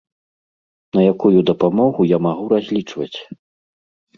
На якую дапамогу я магу разлічваць?